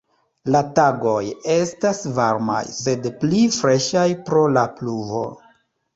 La tagoj estas varmaj, sed pli freŝaj pro la pluvo.